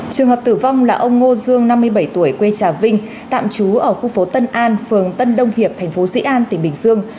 trường hợp tử vong là ông ngô dương năm mươi bảy tuổi quê trà vinh tạm trú ở khu phố tân an phường tân đông hiệp thành phố sĩ an tỉnh bình dương